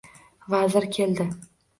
Vazir keldi.